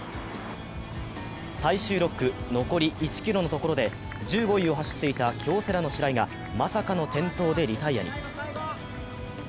最終６区、残り１ｋｍのところで１５位を走っていた京セラの白井がまさかの転倒でリタイアに。